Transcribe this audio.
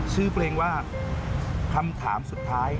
ชื่อเพลงว่าคำถามสุดท้าย